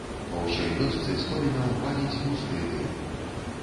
Па ўсёй вёсцы з комінаў валіць густы дым.